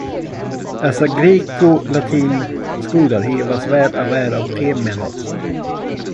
As a Greco-Latin scholar he was well aware of Temenos.